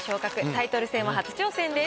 タイトル戦は初挑戦です。